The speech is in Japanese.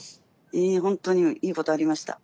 うん本当にいいことありました。